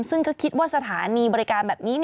ซึ่งก็คิดว่าสถานีบริการแบบนี้